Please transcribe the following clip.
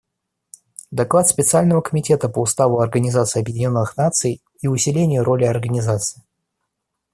Доклад Специального комитета по Уставу Организации Объединенных Наций и усилению роли Организации.